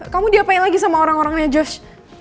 kamu diapain lagi sama orang orangnya george